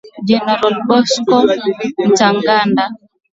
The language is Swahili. Generali Bosco Ntaganda